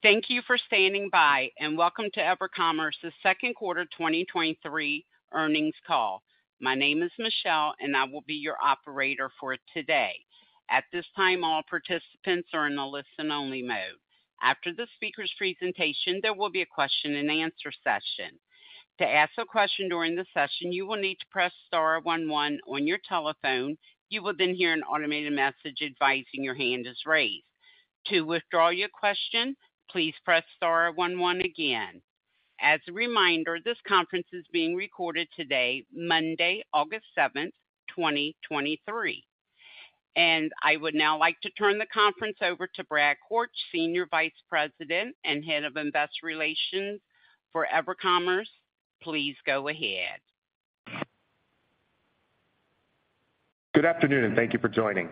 Thank you for standing by, and welcome to EverCommerce's second quarter 2023 earnings call. My name is Michelle, and I will be your operator for today. At this time, all participants are in a listen-only mode. After the speaker's presentation, there will be a question-and-answer session. To ask a question during the session, you will need to press star one one on your telephone. You will then hear an automated message advising your hand is raised. To withdraw your question, please press star one one again. As a reminder, this conference is being recorded today, Monday, August 7th, 2023. I would now like to turn the conference over to Brad Koenig, Senior Vice President and Head of Investor Relations for EverCommerce. Please go ahead. Good afternoon, and thank you for joining.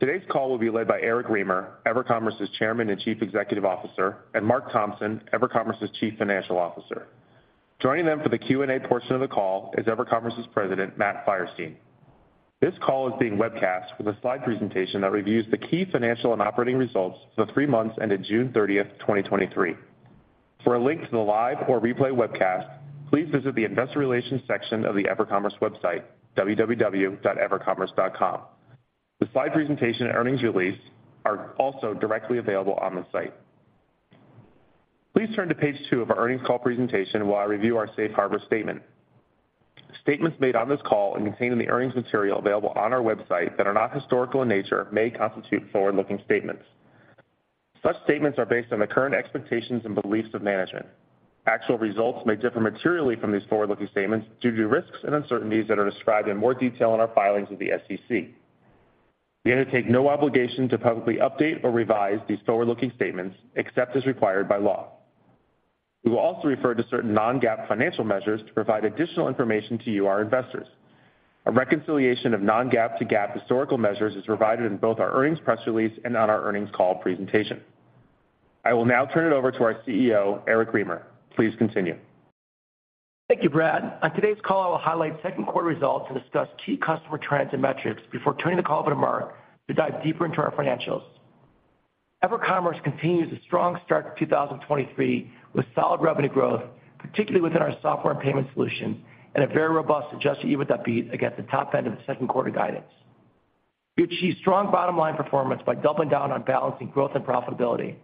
Today's call will be led by Eric Remer, Evercommerce's Chairman and Chief Executive Officer, and Mark Thompson, Evercommerce's Chief Financial Officer. Joining them for the Q&A portion of the call is Evercommerce's President, Matt Fierstein. This call is being webcast with a slide presentation that reviews the key financial and operating results for the three months ended June 30th, 2023. For a link to the live or replay webcast, please visit the Investor Relations section of the Evercommerce website, www.evercommerce.com. The slide presentation and earnings release are also directly available on the site. Please turn to page two of our earnings call presentation while I review our Safe Harbor statement. Statements made on this call and contained in the earnings material available on our website that are not historical in nature may constitute forward-looking statements. Such statements are based on the current expectations and beliefs of management. Actual results may differ materially from these forward-looking statements due to risks and uncertainties that are described in more detail in our filings with the SEC. We undertake no obligation to publicly update or revise these forward-looking statements except as required by law. We will also refer to certain non-GAAP financial measures to provide additional information to you, our investors. A reconciliation of non-GAAP to GAAP historical measures is provided in both our earnings press release and on our earnings call presentation. I will now turn it over to our CEO, Eric Remer. Please continue. Thank you, Brad. On today's call, I will highlight second quarter results and discuss key customer trends and metrics before turning the call over to Mark to dive deeper into our financials. EverCommerce continues a strong start to 2023 with solid revenue growth, particularly within our software and payment solutions, and a very robust adjusted EBITDA beat against the top end of the second quarter guidance. We achieved strong bottom line performance by doubling down on balancing growth and profitability.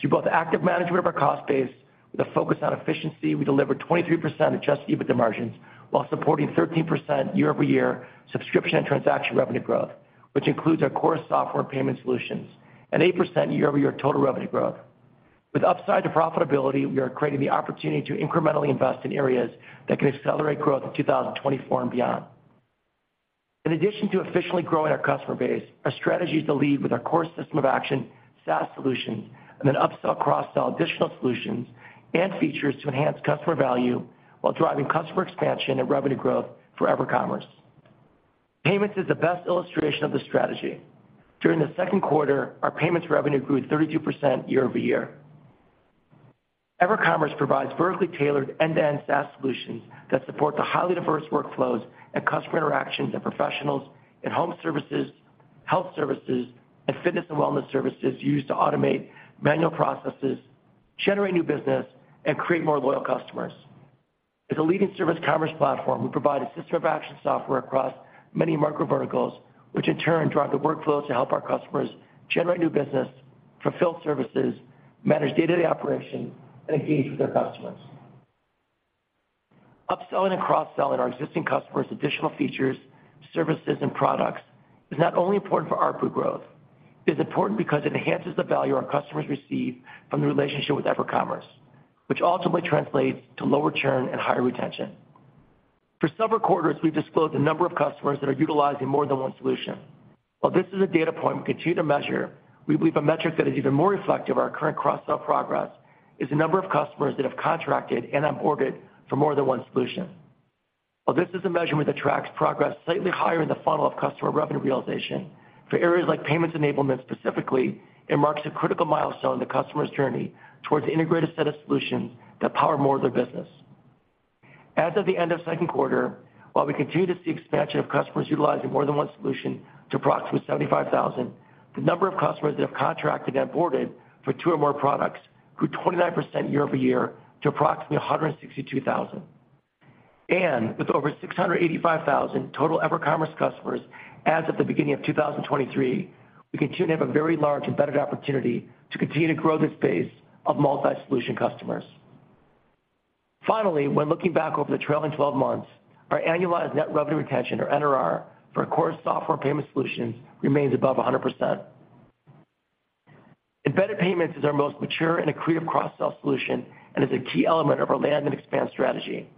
Through both active management of our cost base with a focus on efficiency, we delivered 23% adjusted EBITDA margins, while supporting 13% year-over-year subscription and transaction revenue growth, which includes our core software payment solutions, and 8% year-over-year total revenue growth. With upside to profitability, we are creating the opportunity to incrementally invest in areas that can accelerate growth in 2024 and beyond. In addition to efficiently growing our customer base, our strategy is to lead with our core system of action, SaaS solutions, and then upsell, cross-sell additional solutions and features to enhance customer value while driving customer expansion and revenue growth for EverCommerce. Payments is the best illustration of the strategy. During the second quarter, our payments revenue grew 32% year-over-year. EverCommerce provides vertically tailored end-to-end SaaS solutions that support the highly diverse workflows and customer interactions and professionals in home services, health services, and fitness and wellness services used to automate manual processes, generate new business, and create more loyal customers. As a leading service commerce platform, we provide a system of action software across many micro verticals, which in turn drive the workflows to help our customers generate new business, fulfill services, manage day-to-day operation, and engage with their customers. Upselling and cross-selling our existing customers additional features, services, and products is not only important for ARPU growth, it's important because it enhances the value our customers receive from the relationship with EverCommerce, which ultimately translates to lower churn and higher retention. For several quarters, we've disclosed the number of customers that are utilizing more than one solution. While this is a data point we continue to measure, we believe a metric that is even more reflective of our current cross-sell progress is the number of customers that have contracted and onboarded for more than one solution. While this is a measurement that tracks progress slightly higher in the funnel of customer revenue realization, for areas like payments enablement specifically, it marks a critical milestone in the customer's journey towards an integrated set of solutions that power more of their business. As of the end of second quarter, while we continue to see expansion of customers utilizing more than one solution to approximately 75,000, the number of customers that have contracted and onboarded for two or more products grew 29% year-over-year to approximately 162,000. With over 685,000 total EverCommerce customers as of the beginning of 2023, we continue to have a very large embedded opportunity to continue to grow this base of multi-solution customers. Finally, when looking back over the trailing 12 months, our annualized net revenue retention, or NRR, for our core software payment solutions remains above 100%. Embedded payments is our most mature and accretive cross-sell solution and is a key element of our land and expand strategy.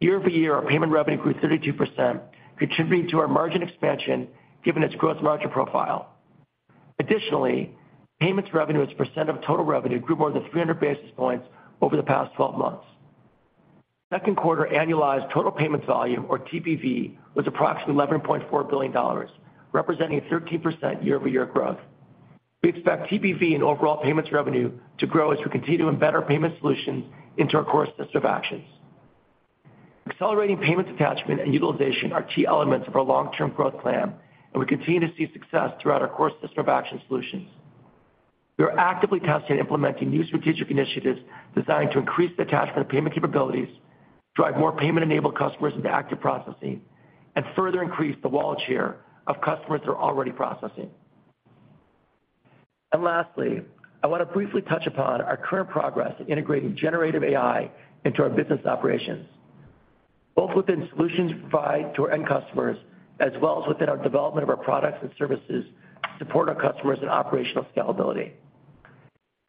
Year-over-year, our payment revenue grew 32%, contributing to our margin expansion, given its gross margin profile. Additionally, payments revenue as a percent of total revenue grew more than 300 basis points over the past 12 months. Second quarter annualized total payments volume, or TPV, was approximately $11.4 billion, representing a 13% year-over-year growth. We expect TPV and overall payments revenue to grow as we continue to embed our payment solutions into our core system of action. Accelerating payments attachment and utilization are key elements of our long-term growth plan, and we continue to see success throughout our core system of action solutions. We are actively testing and implementing new strategic initiatives designed to increase the attachment of payment capabilities, drive more payment-enabled customers into active processing, and further increase the wallet share of customers that are already processing. Lastly, I want to briefly touch upon our current progress in integrating generative AI into our business operations, both within solutions we provide to our end customers, as well as within our development of our products and services to support our customers and operational scalability.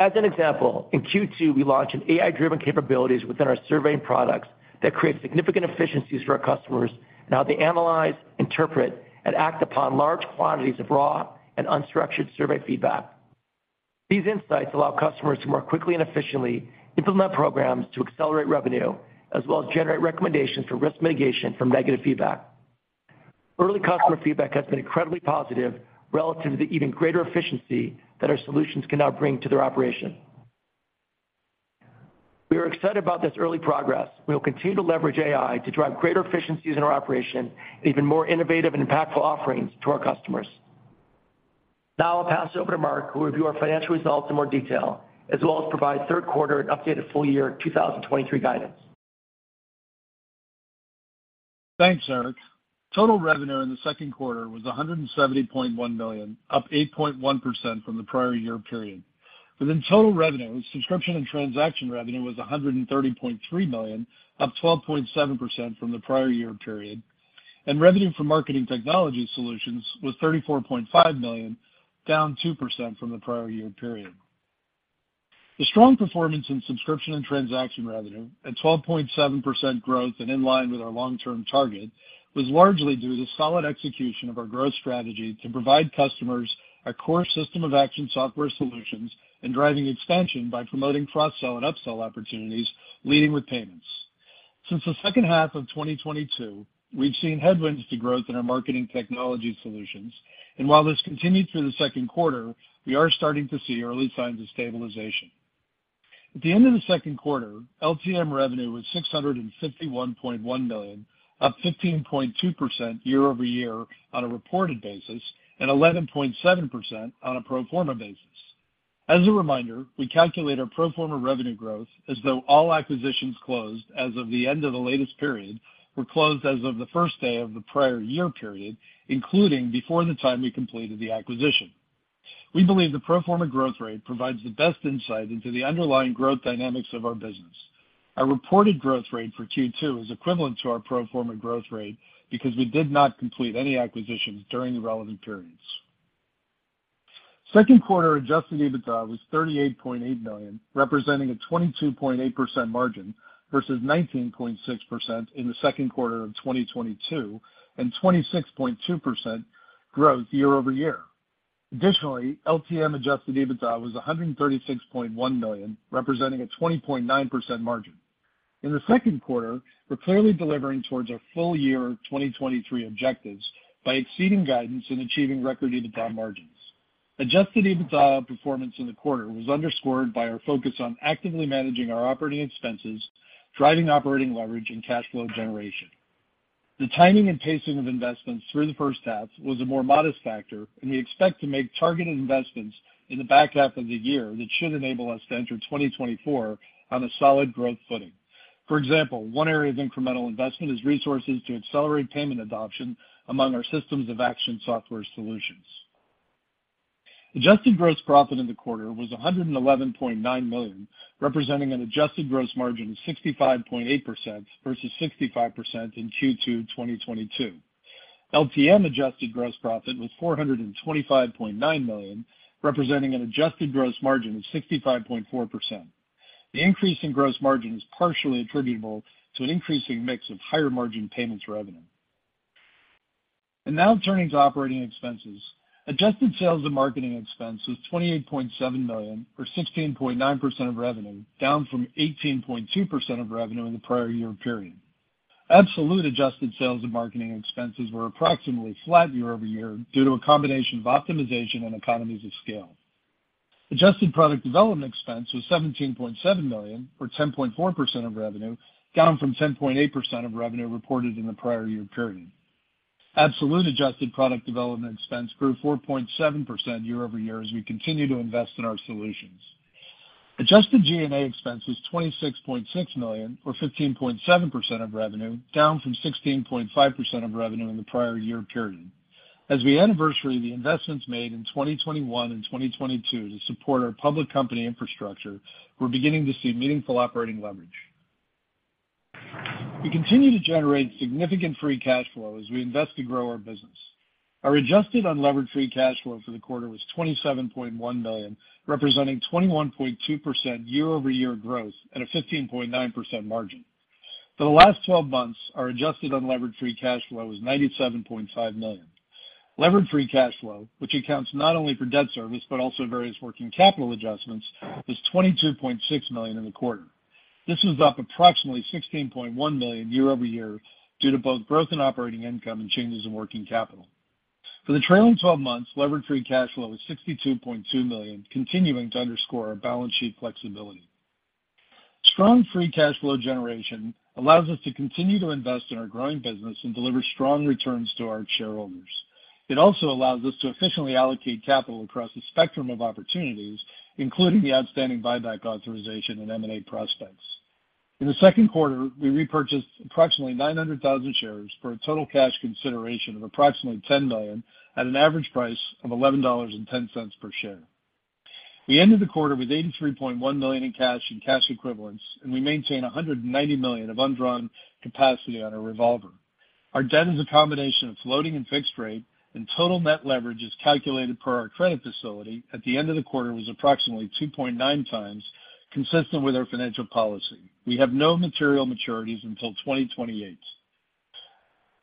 As an example, in Q2, we launched an AI-driven capabilities within our surveying products that create significant efficiencies for our customers and how they analyze, interpret, and act upon large quantities of raw and unstructured survey feedback. These insights allow customers to more quickly and efficiently implement programs to accelerate revenue, as well as generate recommendations for risk mitigation from negative feedback. Early customer feedback has been incredibly positive relative to the even greater efficiency that our solutions can now bring to their operation. We are excited about this early progress. We will continue to leverage AI to drive greater efficiencies in our operation and even more innovative and impactful offerings to our customers. Now I'll pass it over to Mark, who will review our financial results in more detail, as well as provide third quarter and updated full year 2023 guidance. Thanks, Eric. Total revenue in the second quarter was $170.1 million, up 8.1% from the prior year period. Within total revenue, subscription and transaction revenue was $130.3 million, up 12.7% from the prior year period, and revenue from marketing technology solutions was $34.5 million, down 2% from the prior year period. The strong performance in subscription and transaction revenue at 12.7% growth and in line with our long-term target, was largely due to solid execution of our growth strategy to provide customers a core system of action software solutions and driving expansion by promoting cross-sell and upsell opportunities, leading with payments. Since the second half of 2022, we've seen headwinds to growth in our marketing technology solutions, and while this continued through the second quarter, we are starting to see early signs of stabilization. At the end of the second quarter, LTM revenue was $651.1 million, up 15.2% year-over-year on a reported basis, and 11.7% on a pro forma basis. As a reminder, we calculate our pro forma revenue growth as though all acquisitions closed as of the end of the latest period were closed as of the first day of the prior year period, including before the time we completed the acquisition. We believe the pro forma growth rate provides the best insight into the underlying growth dynamics of our business. Our reported growth rate for Q2 is equivalent to our pro forma growth rate because we did not complete any acquisitions during the relevant periods. Second quarter adjusted EBITDA was $38.8 million, representing a 22.8% margin versus 19.6% in the second quarter of 2022, and 26.2% growth year-over-year. Additionally, LTM adjusted EBITDA was $136.1 million, representing a 20.9% margin. In the second quarter, we're clearly delivering towards our full year 2023 objectives by exceeding guidance and achieving record EBITDA margins. Adjusted EBITDA performance in the quarter was underscored by our focus on actively managing our operating expenses, driving operating leverage and cash flow generation. The timing and pacing of investments through the first half was a more modest factor, and we expect to make targeted investments in the back half of the year that should enable us to enter 2024 on a solid growth footing. For example, one area of incremental investment is resources to accelerate payment adoption among our systems of action software solutions. Adjusted gross profit in the quarter was $111.9 million, representing an adjusted gross margin of 65.8% versus 65% in Q2 2022. LTM adjusted gross profit was $425.9 million, representing an adjusted gross margin of 65.4%. The increase in gross margin is partially attributable to an increasing mix of higher-margin payments revenue. Now turning to operating expenses. Adjusted sales and marketing expense was $28.7 million, or 16.9% of revenue, down from 18.2% of revenue in the prior year period. Absolute adjusted sales and marketing expenses were approximately flat year-over-year due to a combination of optimization and economies of scale. Adjusted product development expense was $17.7 million, or 10.4% of revenue, down from 10.8% of revenue reported in the prior year period. Absolute adjusted product development expense grew 4.7% year-over-year as we continue to invest in our solutions. Adjusted G&A expense was $26.6 million, or 15.7% of revenue, down from 16.5% of revenue in the prior year period. As we anniversary the investments made in 2021 and 2022 to support our public company infrastructure, we're beginning to see meaningful operating leverage. We continue to generate significant free cash flow as we invest to grow our business. Our adjusted unlevered free cash flow for the quarter was $27.1 million, representing 21.2% year-over-year growth at a 15.9% margin. For the last twelve months, our adjusted unlevered free cash flow was $97.5 million. Levered free cash flow, which accounts not only for debt service but also various working capital adjustments, was $22.6 million in the quarter. This was up approximately $16.1 million year-over-year due to both growth in operating income and changes in working capital. For the trailing 12 months, levered free cash flow is $62.2 million, continuing to underscore our balance sheet flexibility. Strong free cash flow generation allows us to continue to invest in our growing business and deliver strong returns to our shareholders. It also allows us to efficiently allocate capital across a spectrum of opportunities, including the outstanding buyback authorization and M&A prospects. In the second quarter, we repurchased approximately 900,000 shares for a total cash consideration of approximately $10 million, at an average price of $11.10 per share. We ended the quarter with $83.1 million in cash and cash equivalents. We maintain $190 million of undrawn capacity on our revolver. Our debt is a combination of floating and fixed rate, and total net leverage is calculated per our credit facility. At the end of the quarter, was approximately 2.9 times, consistent with our financial policy. We have no material maturities until 2028.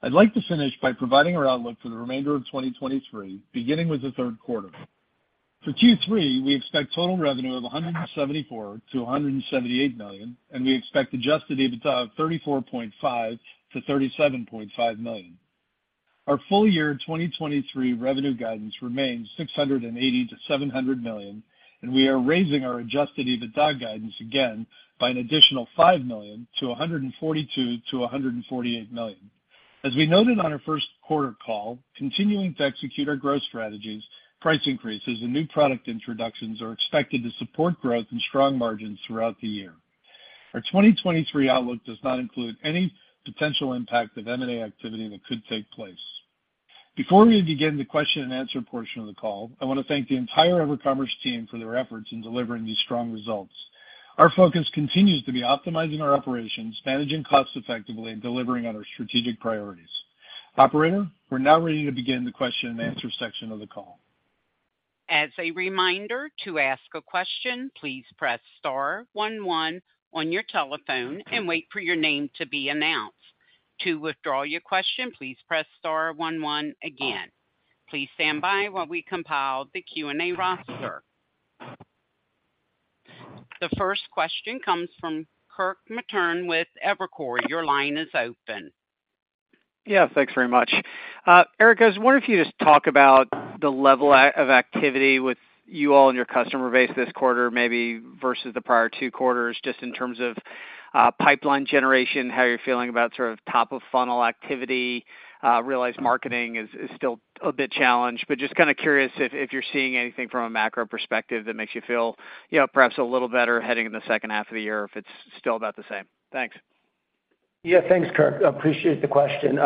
I'd like to finish by providing our outlook for the remainder of 2023, beginning with the third quarter. For Q3, we expect total revenue of $174 million-$178 million, and we expect adjusted EBITDA of $34.5 million-$37.5 million. Our full year 2023 revenue guidance remains $680 million-$700 million, and we are raising our adjusted EBITDA guidance again by an additional $5 million to $142 million-$148 million. As we noted on our first quarter call, continuing to execute our growth strategies, price increases and new product introductions are expected to support growth and strong margins throughout the year. Our 2023 outlook does not include any potential impact of M&A activity that could take place. Before we begin the question and answer portion of the call, I want to thank the entire EverCommerce team for their efforts in delivering these strong results. Our focus continues to be optimizing our operations, managing costs effectively, and delivering on our strategic priorities. Operator, we're now ready to begin the question and answer section of the call. As a reminder, to ask a question, please press star one one on your telephone and wait for your name to be announced. To withdraw your question, please press star one one again. Please stand by while we compile the Q&A roster. The first question comes from Kirk Materne with Evercore. Your line is open. Yeah, thanks very much. Eric, I was wondering if you just talk about the level of, of activity with you all and your customer base this quarter, maybe versus the prior two quarters, just in terms of pipeline generation, how you're feeling about sort of top of funnel activity. Realize marketing is, is still a bit challenged, but just kind of curious if, if you're seeing anything from a macro perspective that makes you feel, you know, perhaps a little better heading in the second half of the year, if it's still about the same. Thanks. Yeah, thanks, Kirk, I appreciate the question.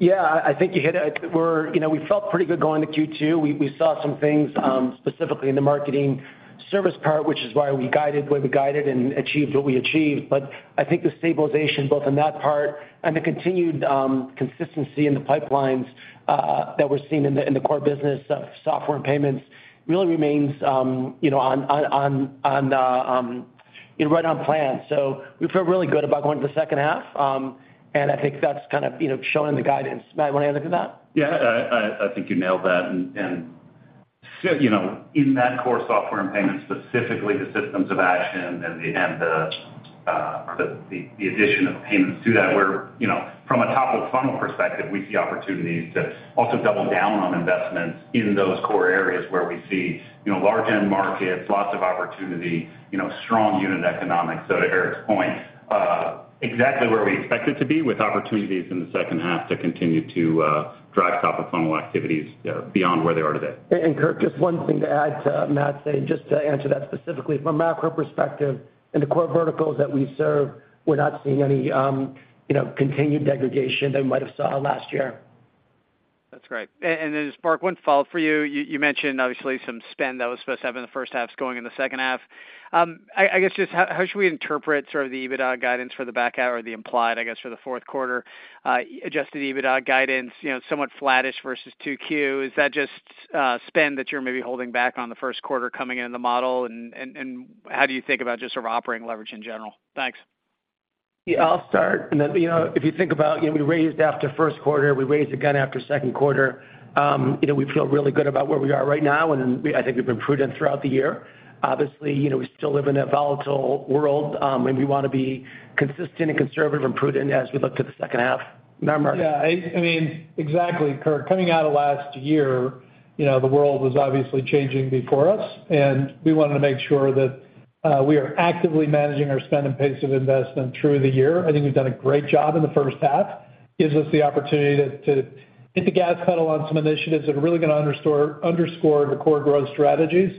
Yeah, I think you hit it. We're, you know, we felt pretty good going to Q2. We, we saw some things, specifically in the marketing service part, which is why we guided the way we guided and achieved what we achieved. I think the stabilization, both in that part and the continued consistency in the pipelines, that we're seeing in the, in the core business of software and payments, really remains, you know, right on plan. We feel really good about going to the second half. I think that's kind of, you know, showing the guidance. Matt, you want to add to that? Yeah, I, I, I think you nailed that. You know, in that core software and payments, specifically the systems of action and the, and the, or the, the addition of payments to that, where, you know, from a top of funnel perspective, we see opportunities to also double down on investments in those core areas where we see, you know, large end markets, lots of opportunity, you know, strong unit economics. To Eric's point, exactly where we expect it to be, with opportunities in the second half to continue to drive top of funnel activities, beyond where they are today. Kirk, just one thing to add to Matt's say, just to answer that specifically from a macro perspective, in the core verticals that we serve, we're not seeing any, you know, continued degradation that we might have saw last year. That's great. Then just Mark, one follow-up for you. You, you mentioned obviously some spend that was supposed to happen in the first half, is going in the second half. I, I guess just how, how should we interpret sort of the EBITDA guidance for the back half or the implied, I guess, for the fourth quarter, adjusted EBITDA guidance, you know, somewhat flattish versus 2Q? Is that just spend that you're maybe holding back on the first quarter coming into the model? And, and how do you think about just sort of operating leverage in general? Thanks. Yeah, I'll start. You know, if you think about, you know, we raised after first quarter, we raised again after second quarter. You know, we feel really good about where we are right now, and I think we've been prudent throughout the year. Obviously, you know, we still live in a volatile world, and we want to be consistent and conservative and prudent as we look to the second half. Now, Mark? Yeah, I, I mean, exactly, Kirk. Coming out of last year, you know, the world was obviously changing before us. We wanted to make sure that we are actively managing our spend and pace of investment through the year. I think we've done a great job in the first half. Gives us the opportunity to, to hit the gas pedal on some initiatives that are really going to underscore the core growth strategies,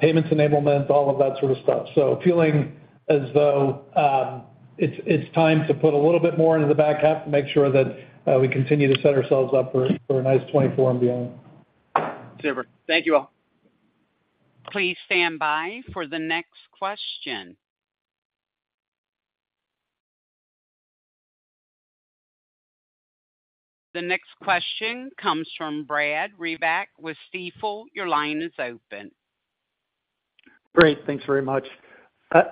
payments, enablement, all of that sort of stuff. Feeling as though, it's, it's time to put a little bit more into the back half to make sure that we continue to set ourselves up for, for a nice 2024 and beyond. Super. Thank you all. Please stand by for the next question. The next question comes from Brad Reback with Stifel. Your line is open. Great. Thanks very much.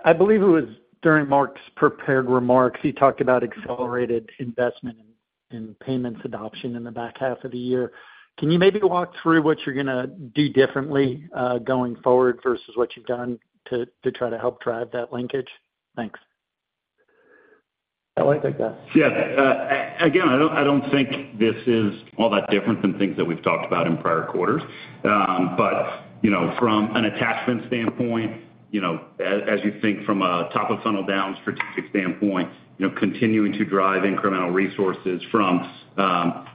I believe it was during Mark's prepared remarks, he talked about accelerated investment in payments adoption in the back half of the year. Can you maybe walk through what you're gonna do differently going forward versus what you've done to try to help drive that linkage? Thanks. Yeah, again, I don't, I don't think this is all that different than things that we've talked about in prior quarters. But, you know, from an attachment standpoint, you know, as you think from a top of funnel down strategic standpoint, you know, continuing to drive incremental resources from,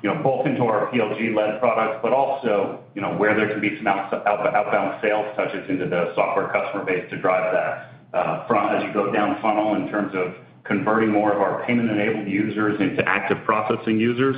you know, both into our PLG-led products, but also, you know, where there can be some out-outbound sales touches into the software customer base to drive that, from as you go down the funnel in terms of converting more of our payment-enabled users into active processing users,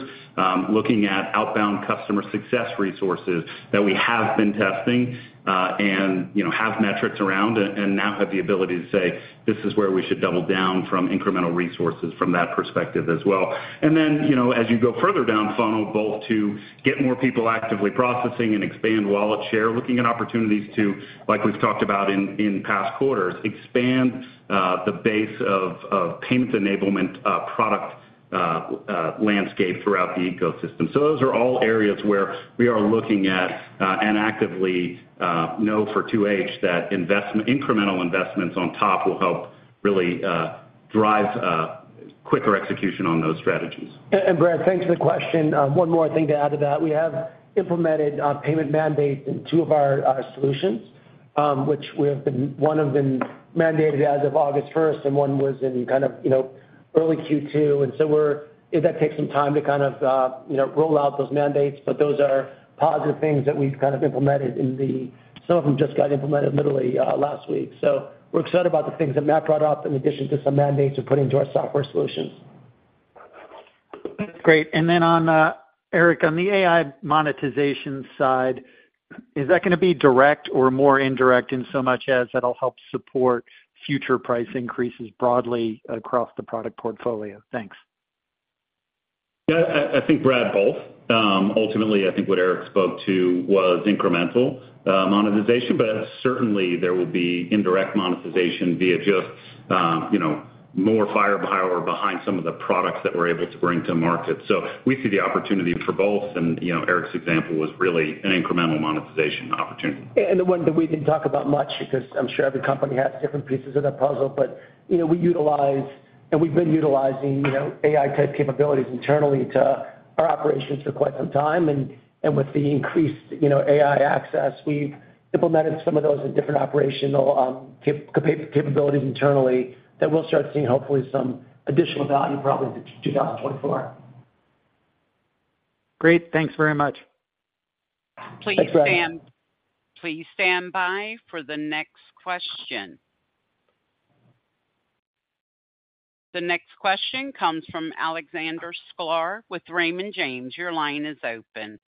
looking at outbound customer success resources that we have been testing, and, you know, have metrics around, and now have the ability to say, this is where we should double down from incremental resources from that perspective as well. You know, as you go further down the funnel, both to get more people actively processing and expand wallet share, looking at opportunities to, like we've talked about in past quarters, expand the base of payments enablement product landscape throughout the ecosystem. Those are all areas where we are looking at and actively know for 2H that incremental investments on top will help really drive quicker execution on those strategies. Brad, thanks for the question. One more thing to add to that. We have implemented payment mandates in 2 of our, our solutions, which we have been one have been mandated as of August 1st, and one was in kind of, you know, early Q2. We're. It does take some time to kind of, you know, roll out those mandates, but those are positive things that we've kind of implemented in the some of them just got implemented literally last week. We're excited about the things that Matt brought up, in addition to some mandates we're putting to our software solutions. Great. On, Eric, on the AI monetization side, is that going to be direct or more indirect, in so much as that'll help support future price increases broadly across the product portfolio? Thanks. Yeah, I, I think, Brad, both. Ultimately, I think what Eric spoke to was incremental monetization, but certainly, there will be indirect monetization via just, you know, more firepower behind some of the products that we're able to bring to market. We see the opportunity for both, and, you know, Eric's example was really an incremental monetization opportunity. The one that we didn't talk about much, because I'm sure every company has different pieces of that puzzle, but, you know, we utilize, and we've been utilizing, you know, AI-type capabilities internally to our operations for quite some time, and, and with the increased, you know, AI access, we've implemented some of those in different operational capabilities internally that we'll start seeing, hopefully, some additional value, probably in 2024. Great. Thanks very much. Please stand by for the next question. The next question comes from Alexander Sklar with Raymond James. Your line is open.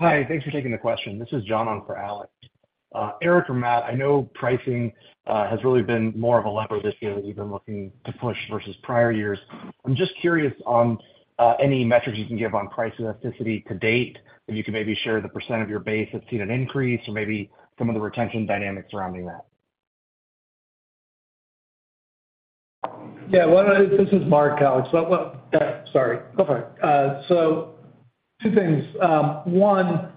Hi, thanks for taking the question. This is John on for Alex. Eric or Matt, I know pricing has really been more of a lever this year that you've been looking to push versus prior years. I'm just curious on any metrics you can give on price elasticity to date, if you could maybe share the % of your base that's seen an increase or maybe some of the retention dynamics surrounding that. Yeah, well, this is Mark, Alex. Well, well, sorry. Go for it. Two things. One,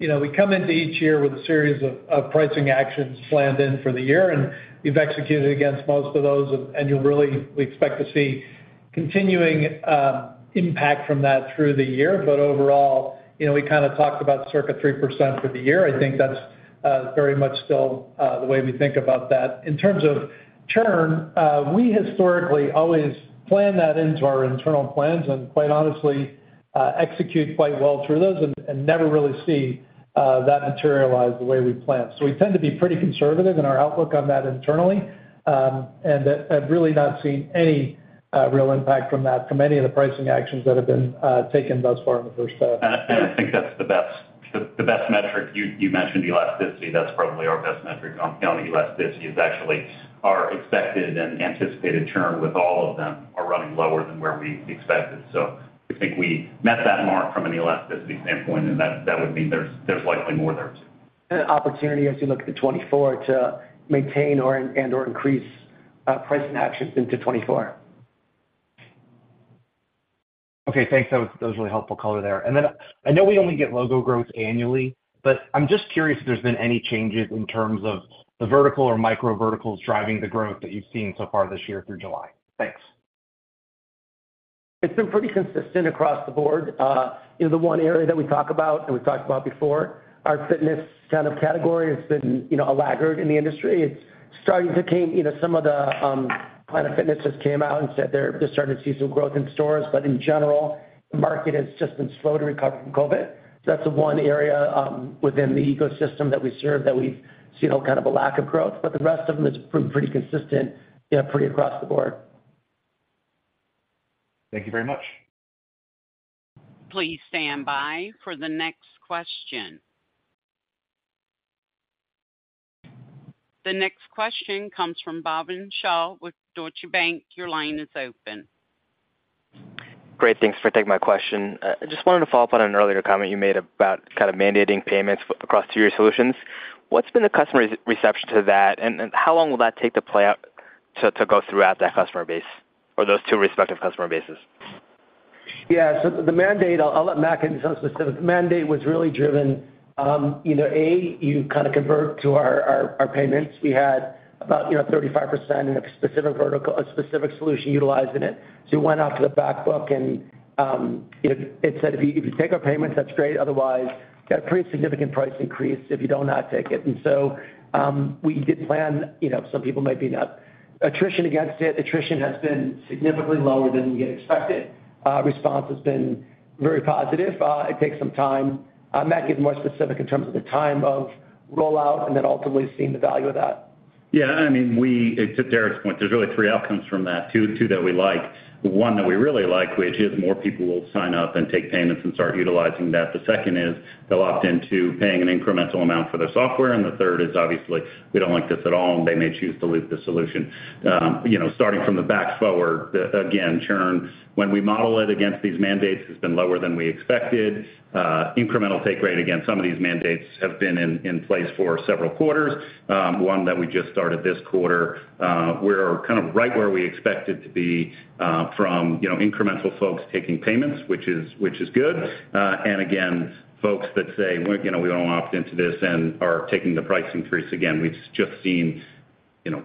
you know, we come into each year with a series of, of pricing actions planned in for the year, and we've executed against most of those, and, and you'll really- we expect to see continuing impact from that through the year. Overall, you know, we kind of talked about circa 3% for the year. I think that's very much still the way we think about that. In terms of churn, we historically always plan that into our internal plans, and quite honestly, execute quite well through those and, and never really see that materialize the way we plan. We tend to be pretty conservative in our outlook on that internally, and have really not seen any real impact from that, from any of the pricing actions that have been taken thus far in the first half. I think that's the best, the best metric. You, you mentioned elasticity. That's probably our best metric on, on the elasticity, is actually our expected and anticipated churn with all of them are running lower than where we expected. I think we met that mark from an elasticity standpoint, and that, that would mean there's, there's likely more there, too. An opportunity as you look to 2024 to maintain or, and/or increase, pricing actions into 2024. Okay, thanks. That was really helpful color there. Then I know we only get logo growth annually, but I'm just curious if there's been any changes in terms of the vertical or micro verticals driving the growth that you've seen so far this year through July. Thanks. It's been pretty consistent across the board. You know, the one area that we talk about, and we talked about before, our fitness kind of category has been, you know, a laggard in the industry. It's starting to came, you know, some of the Planet Fitness just came out and said they're just starting to see some growth in stores, but in general, the market has just been slow to recover from COVID. That's the one area, within the ecosystem that we serve, that we've seen a kind of a lack of growth, but the rest of them is pretty consistent, yeah, pretty across the board. Thank you very much. Please stand by for the next question. The next question comes from Bhavin Shah with Deutsche Bank. Your line is open. Great. Thanks for taking my question. I just wanted to follow up on an earlier comment you made about kind of mandating payments across to your solutions. What's been the customer's reception to that, and how long will that take to play out, to go throughout that customer base or those two respective customer bases? Yeah, so the the mandate, I'll, I'll let Matt get into some specifics. The mandate was really driven, you know, A, you kind of convert to our, our, our payments. We had about, you know, 35% in a specific vertical, a specific solution utilizing it. We went out to the back book, and it, it said, if you, if you take our payments, that's great, otherwise, you got a pretty significant price increase if you don't not take it. We did plan, you know, some people might be in a attrition against it. Attrition has been significantly lower than we had expected. Response has been very positive. It takes some time. Matt, get more specific in terms of the time of rollout and then ultimately seeing the value of that. Yeah, I mean, to Derek's point, there's really three outcomes from that. Two, two that we like. One that we really like, which is more people will sign up and take payments and start utilizing that. The second is, they'll opt into paying an incremental amount for their software. The third is, obviously, we don't like this at all, and they may choose to leave the solution. You know, starting from the back forward, again, churn, when we model it against these mandates, has been lower than we expected. Incremental take rate, again, some of these mandates have been in, in place for several quarters. One that we just started this quarter, we're kind of right where we expected to be from, you know, incremental folks taking payments, which is, which is good. Again, folks that say, we're, you know, we don't opt into this and are taking the price increase again, we've just seen, you know,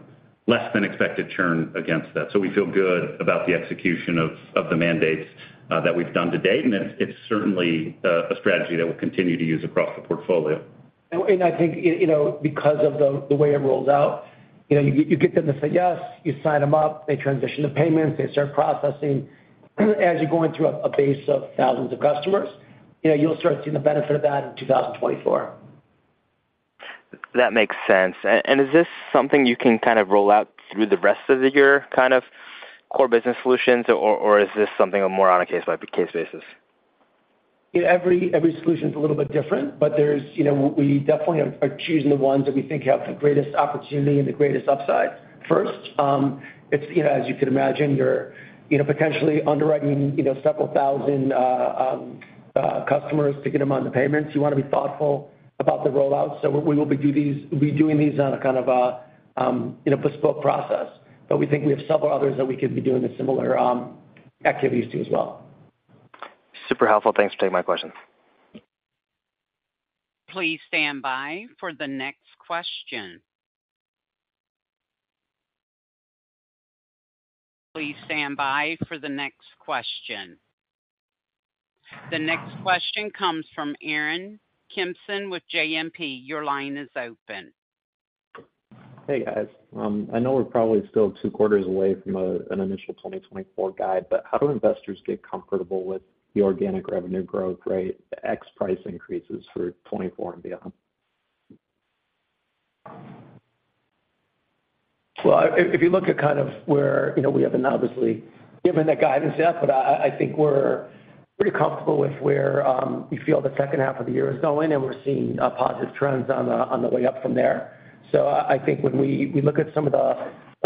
less than expected churn against that. We feel good about the execution of the mandates, that we've done to date, and it's, it's certainly, a strategy that we'll continue to use across the portfolio. I think, you know, because of the way it rolls out, you know, you get them to say, yes, you sign them up, they transition to payments, they start processing. As you're going through a base of thousands of customers, you know, you'll start seeing the benefit of that in 2024. That makes sense. And is this something you can kind of roll out through the rest of the year, kind of core business solutions, or is this something more on a case-by-case basis? Every, every solution is a little bit different, but there's, you know, we definitely are, are choosing the ones that we think have the greatest opportunity and the greatest upside. First, it's, you know, as you can imagine, you're, you know, potentially underwriting, you know, several thousand customers to get them on the payments. You want to be thoughtful about the rollout. We, we will be doing these on a kind of a, you know, bespoke process, but we think we have several others that we could be doing the similar activities to as well. Super helpful. Thanks for taking my question. Please stand by for the next question. Please stand by for the next question. The next question comes from Aaron Kimson with JMP. Your line is open. Hey, guys. I know we're probably still 2 quarters away from an initial 2024 guide, but how do investors get comfortable with the organic revenue growth rate, X price increases for 2024 and beyond? Well, if you look at kind of where, you know, we haven't obviously given that guidance yet, but I think we're pretty comfortable with where we feel the second half of the year is going, and we're seeing positive trends on the way up from there. I think when we look at some of the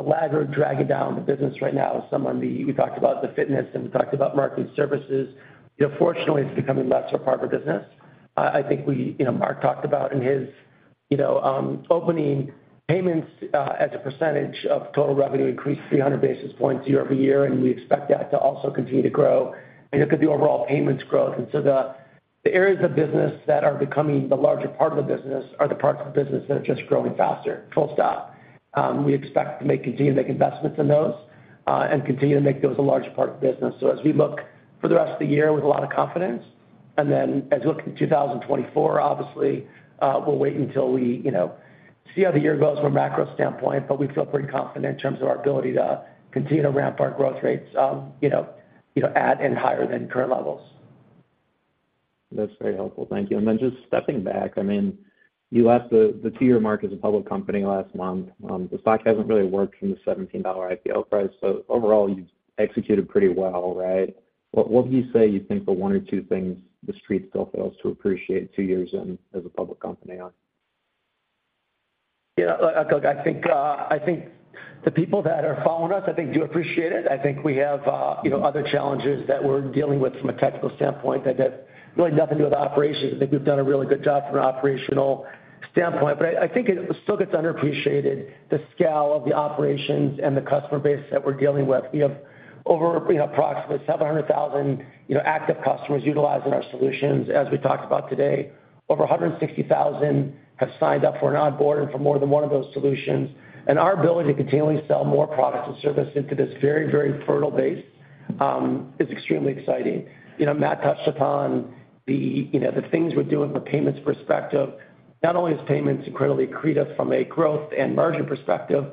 lagger dragging down the business right now, some on the... We talked about the fitness, and we talked about market services. You know, fortunately, it's becoming less a part of our business. I think we, you know, Mark talked about in his, you know, opening payments as a percentage of total revenue increased 300 basis points year-over-year, and we expect that to also continue to grow. Look at the overall payments growth. The, the areas of business that are becoming the larger part of the business are the parts of the business that are just growing faster, full stop. We expect to make- continue to make investments in those and continue to make those a larger part of the business. As we look for the rest of the year with a lot of confidence, and then as we look in 2024, obviously, we'll wait until we, you know, see how the year goes from a macro standpoint, but we feel pretty confident in terms of our ability to continue to ramp our growth rates, you know, you know, at and higher than current levels. That's very helpful. Thank you. Then just stepping back, I mean, you left the, the two-year mark as a public company last month. The stock hasn't really worked from the $17 IPO price, so overall, you've executed pretty well, right? What, what would you say you think the one or two things the Street still fails to appreciate two years in as a public company are? Yeah, look, I think, I think the people that are following us, I think, do appreciate it. I think we have, you know, other challenges that we're dealing with from a technical standpoint that have really nothing to do with operations. I think we've done a really good job from an operational standpoint, but I, I think it still gets underappreciated, the scale of the operations and the customer base that we're dealing with. We have over, you know, approximately 700,000, you know, active customers utilizing our solutions. As we talked about today, over 160,000 have signed up for an onboarder for more than one of those solutions. Our ability to continually sell more products and service into this very, very fertile base is extremely exciting. You know, Matt touched upon the, you know, the things we're doing from a payments perspective. Not only is payments incredibly accretive from a growth and margin perspective,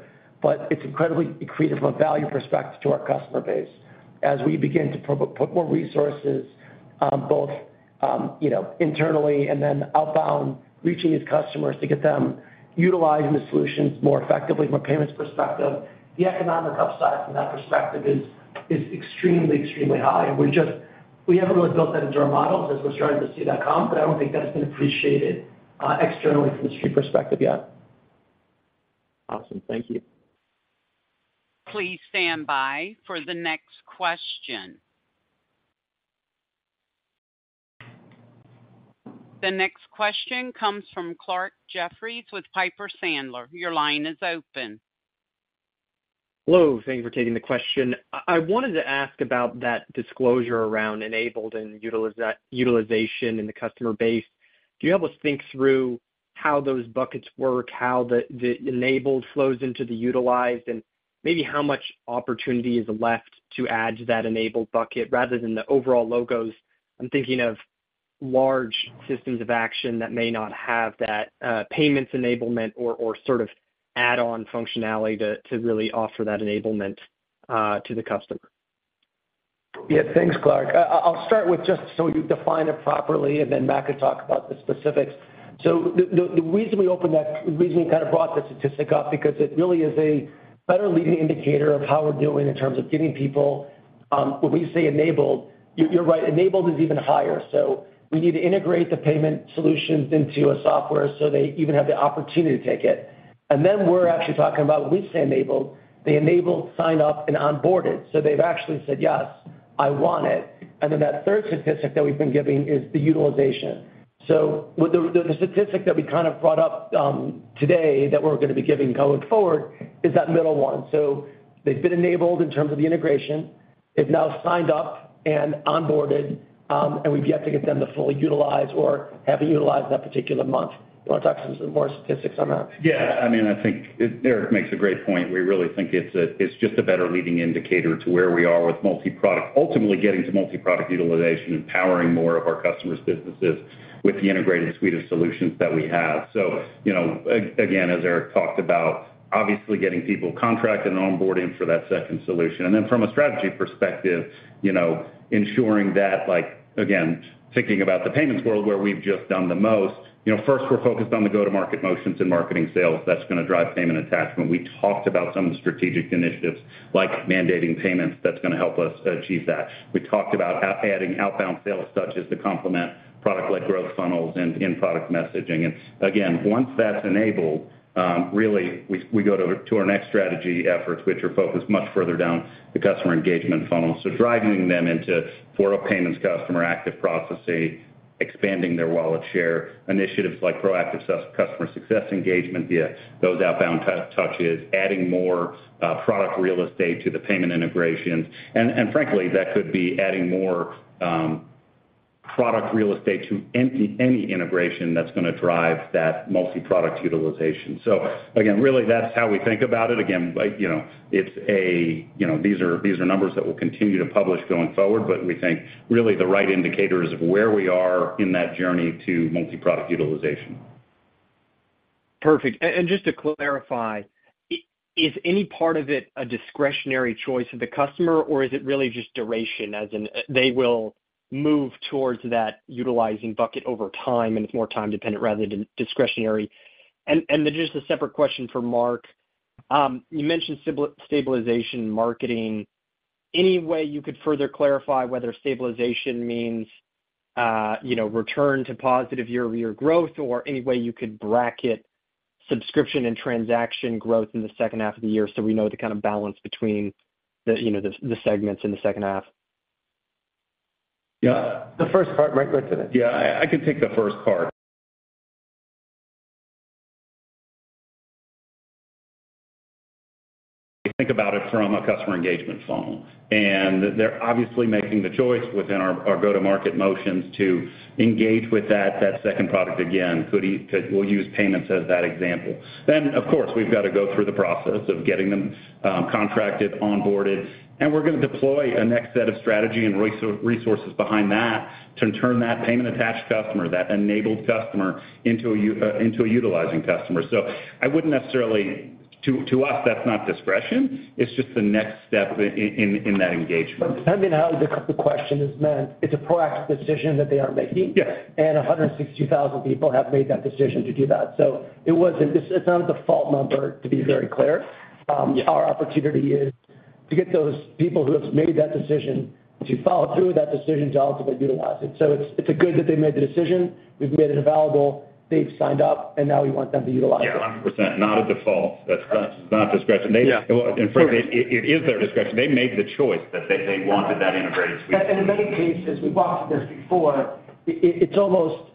but it's incredibly accretive from a value perspective to our customer base. As we begin to put more resources, both, you know, internally and then outbound, reaching these customers to get them utilizing the solutions more effectively from a payments perspective, the economic upside from that perspective is, is extremely, extremely high. We haven't really built that into our models as we're starting to see that come, but I don't think that's been appreciated externally from the street perspective yet. Awesome. Thank you. Please stand by for the next question. The next question comes from Clarke Jeffries with Piper Sandler. Your line is open. Hello, thank you for taking the question. I wanted to ask about that disclosure around enabled and utilization in the customer base. Do you have to think through how those buckets work, how the, the enabled flows into the utilized, and maybe how much opportunity is left to add to that enabled bucket rather than the overall logos? I'm thinking of large systems of action that may not have that payments enablement or, or sort of add-on functionality to really offer that enablement to the customer. Yeah. Thanks, Clark. I'll start with just so you define it properly, then Mark can talk about the specifics. The reason we opened that, the reason we kind of brought the statistic up, because it really is a better leading indicator of how we're doing in terms of getting people. When we say enabled, you, you're right, enabled is even higher. We need to integrate the payment solutions into a software so they even have the opportunity to take it. Then we're actually talking about, when we say enabled, they enabled sign up and onboarded, so they've actually said, "Yes, I want it." Then that third statistic that we've been giving is the utilization. With the statistic that we kind of brought up today, that we're gonna be giving going forward is that middle one. They've been enabled in terms of the integration. They've now signed up and onboarded, and we've yet to get them to fully utilize or haven't utilized that particular month. You wanna talk some more statistics on that? Yeah. I mean, I think Eric makes a great point. We really think it's just a better leading indicator to where we are with multi-product, ultimately getting to multi-product utilization, empowering more of our customers' businesses with the integrated suite of solutions that we have. You know, again, as Eric talked about, obviously getting people contracted and onboarding for that second solution. Then from a strategy perspective, you know, ensuring that, like, again, thinking about the payments world, where we've just done the most, you know, first, we're focused on the go-to-market motions and marketing sales. That's gonna drive payment attachment. We talked about some of the strategic initiatives, like mandating payments, that's gonna help us achieve that. We talked about adding outbound sales touches to complement product-led growth funnels and in-product messaging. Again, once that's enabled, really, we go to our next strategy efforts, which are focused much further down the customer engagement funnel. Driving them into four payments customer active processes, expanding their wallet share, initiatives like proactive customer success engagement via those outbound touches, adding more product real estate to the payment integrations. Frankly, that could be adding more product real estate to any integration that's gonna drive that multi-product utilization. Again, really, that's how we think about it. Again, like, you know, it's a. You know, these are numbers that we'll continue to publish going forward, but we think really the right indicators of where we are in that journey to multi-product utilization. Perfect. Just to clarify, is any part of it a discretionary choice of the customer, or is it really just duration, as in, they will move towards that utilizing bucket over time, and it's more time-dependent rather than discretionary? Then just a separate question for Mark. You mentioned stabilization marketing. Any way you could further clarify whether stabilization means, you know, return to positive year-over-year growth, or any way you could bracket subscription and transaction growth in the second half of the year, so we know the kind of balance between the, you know, the segments in the second half? Yeah. The first part, Mark, go ahead. Yeah, I, I can take the first part. Think about it from a customer engagement funnel, and they're obviously making the choice within our, our go-to-market motions to engage with that, that second product again, could we'll use payments as that example. Of course, we've got to go through the process of getting them contracted, onboarded, and we're gonna deploy a next set of strategy and resources behind that to turn that payment-attached customer, that enabled customer, into a utilizing customer. I wouldn't necessarily. To us, that's not discretion. It's just the next step in, in, in that engagement. Depending on how the question is meant, it's a proactive decision that they are making. Yes. 162,000 people have made that decision to do that. This is not a default number, to be very clear. Our opportunity is to get those people who have made that decision to follow through with that decision to ultimately utilize it. It's, it's a good that they made the decision. We've made it available, they've signed up, and now we want them to utilize it. Yeah, 100%. Not a default. That's, that's not discretion. Yeah. frankly, it, it is their discretion. They made the choice that they, they wanted that integrated suite. In many cases, we've walked through this before, it, it's almost,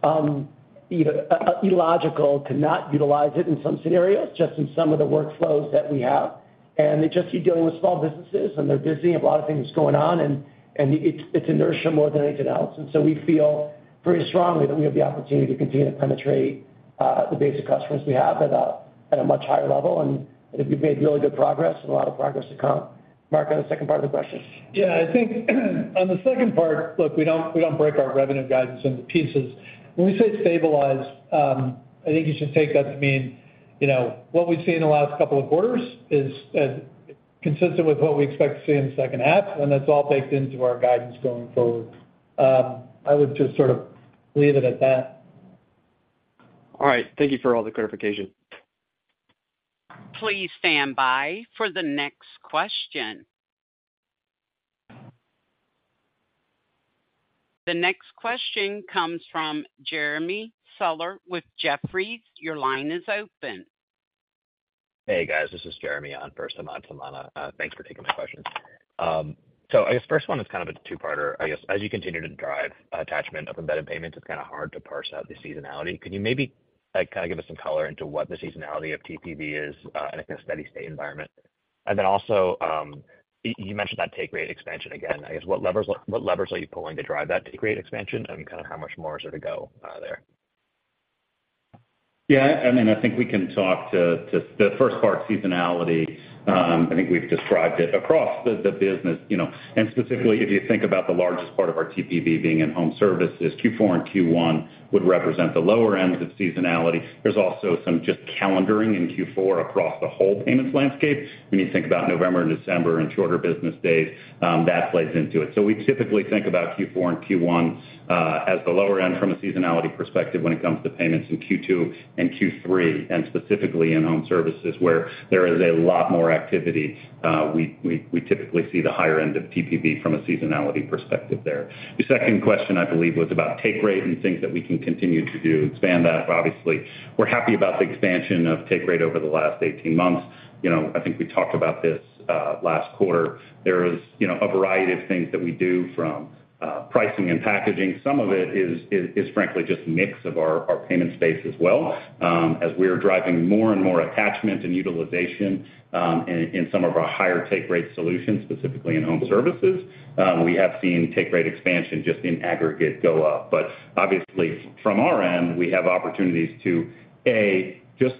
you know, illogical to not utilize it in some scenarios, just in some of the workflows that we have. They just keep dealing with small businesses, and they're busy, a lot of things going on, and, and it's, it's inertia more than anything else. We feel very strongly that we have the opportunity to continue to penetrate the base of customers we have at a, at a much higher level, and we've made really good progress and a lot of progress to come. Mark, on the second part of the question? Yeah, I think, on the second part, look, we don't, we don't break our revenue guidance into pieces. When we say stabilize, I think you should take that to mean, you know, what we've seen in the last couple of quarters is consistent with what we expect to see in the second half, and that's all baked into our guidance going forward. I would just sort of leave it at that. All right. Thank you for all the clarification. Please stand by for the next question. The next question comes from Jeremy Sahler with Jefferies. Your line is open. Hey, guys, this is Jeremy on first Samad Samana. Thanks for taking my questions. I guess first one is kind of a two-parter. I guess, as you continue to drive attachment of embedded payments, it's kind of hard to parse out the seasonality. Could you maybe give us some color into what the seasonality of TPV is in a steady state environment? Also, you mentioned that take rate expansion again. I guess, what levers, what levers are you pulling to drive that take rate expansion, and kind of how much more is there to go there? Yeah, I mean, I think we can talk to the first part, seasonality. I think we've described it across the business, you know, and specifically, if you think about the largest part of our TPV being in home services, Q4 and Q1 would represent the lower end of the seasonality. There's also some just calendaring in Q4 across the whole payments landscape. When you think about November and December and shorter business days, that plays into it. We typically think about Q4 and Q1 as the lower end from a seasonality perspective when it comes to payments in Q2 and Q3, and specifically in home services, where there is a lot more activity. We typically see the higher end of TPV from a seasonality perspective there. The second question, I believe, was about take rate and things that we can continue to do to expand that. Obviously, we're happy about the expansion of take rate over the last 18 months. You know, I think we talked about this last quarter. There is, you know, a variety of things that we do from pricing and packaging. Some of it is, is, is frankly just mix of our, our payment space as well. As we are driving more and more attachment and utilization, in some of our higher take rate solutions, specifically in home services, we have seen take rate expansion just in aggregate go up. Obviously from our end, we have opportunities to, A, just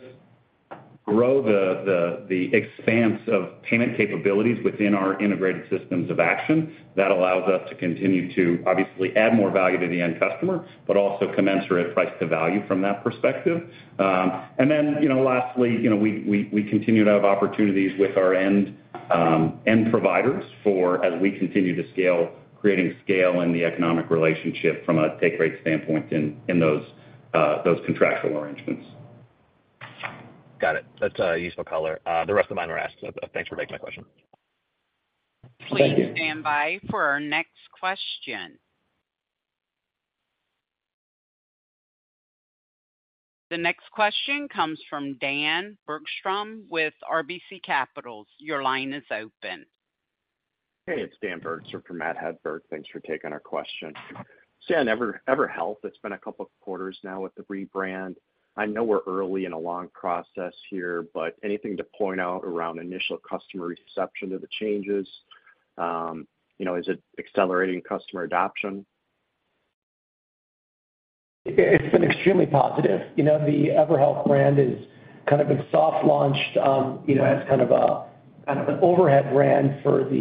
grow the, the, the expanse of payment capabilities within our integrated systems of action. That allows us to continue to obviously add more value to the end customer, but also commensurate price to value from that perspective. Then, you know, lastly, you know, we, we, we continue to have opportunities with our end, end providers for as we continue to scale, creating scale in the economic relationship from a take rate standpoint in, in those, those contractual arrangements. Got it. That's useful color. The rest of mine are asked, so thanks for taking my question. Thank you. Please stand by for our next question. The next question comes from Dan Bergstrom with RBC Capital Markets. Your line is open. Hey, it's Dan Bergstrom for Matt Hedberg. Thanks for taking our question. Yeah, EverHealth, it's been a couple of quarters now with the rebrand. I know we're early in a long process here, but anything to point out around initial customer reception to the changes? You know, is it accelerating customer adoption? It's been extremely positive. You know, the EverHealth brand is kind of been soft launched, you know, as kind of a, kind of an overhead brand for the,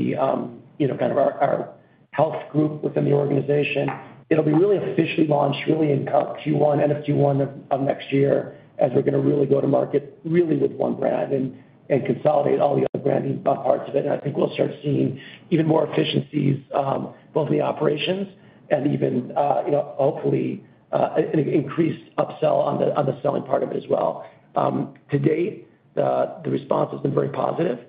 you know, kind of our, our health group within the organization. It'll be really officially launched really in Q1, end of Q1 of next year, as we're going to really go to market really with 1 brand and, and consolidate all the other branding parts of it. I think we'll start seeing even more efficiencies, both in the operations and even, you know, hopefully, increased upsell on the, on the selling part of it as well. To date, the response has been very positive.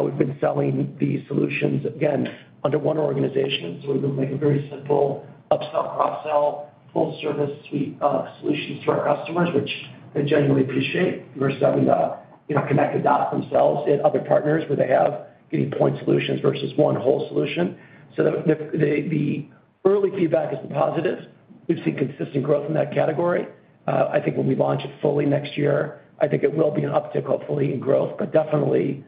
We've been selling these solutions, again, under 1 organization. We've been making very simple upsell, cross-sell, full service suite of solutions to our customers, which they generally appreciate, versus having to, you know, connect the dots themselves and other partners where they have getting point solutions versus one whole solution. The early feedback is positive. We've seen consistent growth in that category. I think when we launch it fully next year, I think it will be an uptick, hopefully in growth, but definitely,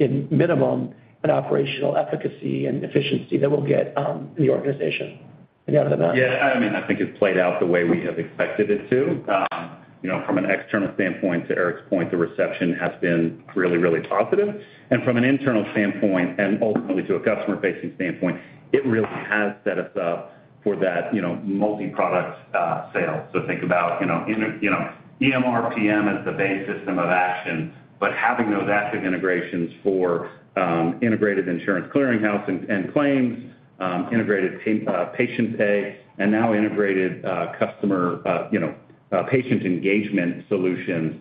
in minimum, an operational efficacy and efficiency that we'll get in the organization. Any other than that? Yeah, I mean, I think it played out the way we have expected it to. You know, from an external standpoint, to Eric's point, the reception has been really, really positive. From an internal standpoint, and ultimately to a customer-facing standpoint, it really has set us up for that, you know, multi-product sale. Think about EMR/PM as the base system of action, but having those active integrations for integrated insurance clearinghouse and claims, integrated team, patient pay, and now integrated customer, you know, patient engagement solutions,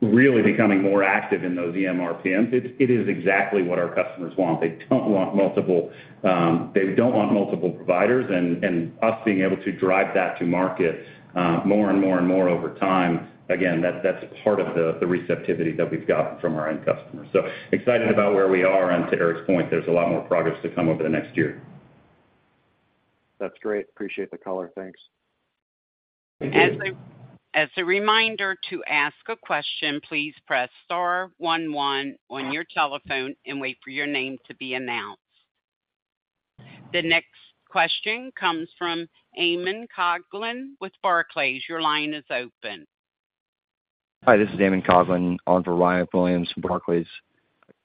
really becoming more active in those EMR/PMs. It is exactly what our customers want. They don't want multiple, they don't want multiple providers, and us being able to drive that to market, more and more and more over time, again, that's, that's part of the receptivity that we've gotten from our end customers. Excited about where we are, and to Eric's point, there's a lot more progress to come over the next year. That's great. Appreciate the color. Thanks. As a reminder to ask a question, please press star 11 on your telephone and wait for your name to be announced. The next question comes from Eamon Coughlin with Barclays. Your line is open. Hi, this is Eamon Coughlin on for Ryan Williams from Barclays.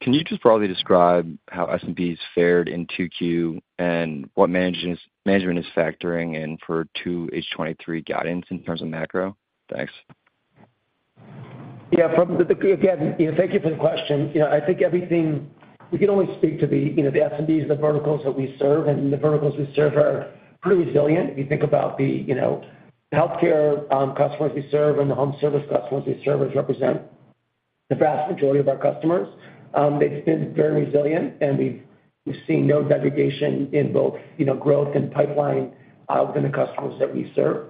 Can you just broadly describe how S&P has fared in 2Q and what management is factoring in for 2H 2023 guidance in terms of macro? Thanks. Yeah, from the... Again, thank you for the question. You know, I think everything, we can only speak to the, you know, the SMBs, the verticals that we serve, and the verticals we serve are pretty resilient. If you think about the, you know, healthcare customers we serve and the home service customers we serve, which represent the vast majority of our customers, they've been very resilient, and we've, we've seen no degradation in both, you know, growth and pipeline within the customers that we serve.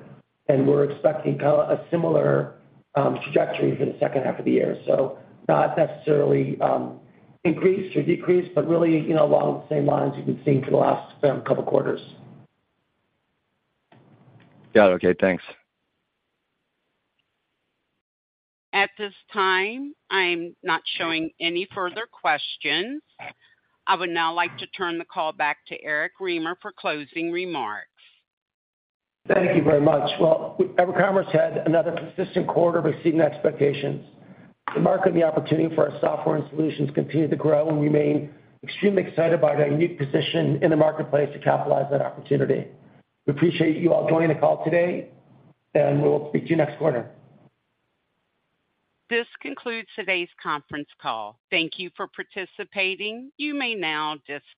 We're expecting a similar trajectory for the second half of the year. Not necessarily increase or decrease, but really, you know, along the same lines you've been seeing for the last couple quarters. Got it. Okay, thanks. At this time, I'm not showing any further questions. I would now like to turn the call back to Eric Remer for closing remarks. Thank you very much. Well, EverCommerce had another consistent quarter of exceeding expectations. The market and the opportunity for our software and solutions continue to grow, and we remain extremely excited about our unique position in the marketplace to capitalize on that opportunity. We appreciate you all joining the call today, and we will speak to you next quarter. This concludes today's conference call. Thank you for participating. You may now disconnect.